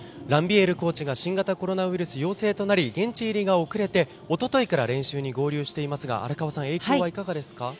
ランビエールコーチが新型コロナウイルス陽性となり、現地入りが遅れて、一昨日から練習に合流していますが、影響はいかがですか？